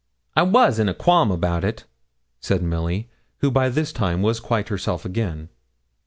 'I was in a qualm about it,' said Milly, who by this time was quite herself again.